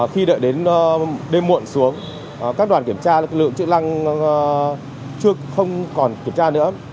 khi đợi đến đêm muộn xuống các đoàn kiểm tra lực lượng chức năng không còn kiểm tra nữa